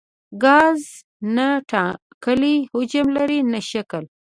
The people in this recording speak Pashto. ګاز نه ټاکلی حجم لري نه شکل.